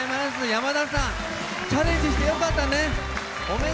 やまださんチャレンジしてよかったね。